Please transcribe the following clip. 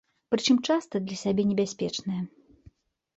Прычым, часта для сябе небяспечнае.